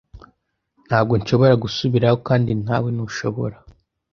Ntabwo nshobora gusubirayo kandi nawe ntushobora.